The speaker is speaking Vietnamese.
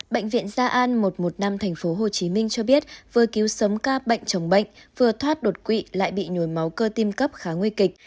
bệnh viện gia an một trăm một mươi năm tp hcm cho biết vừa cứu sống ca bệnh chồng bệnh vừa thoát đột quỵ lại bị nhồi máu cơ tim cấp khá nguy kịch